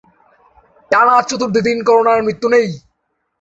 টানা চতুর্থ দিন করোনায় মৃত্যু নেই